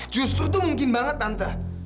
justru tuh mungkin banget tante